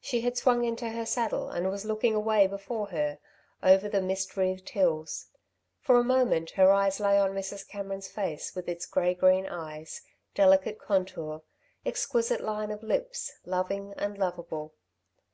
She had swung into her saddle and was looking away before her, over the mist wreathed hills. For a moment her eyes lay on Mrs. Cameron's face with its grey green eyes, delicate contour, exquisite line of lips, loving and lovable.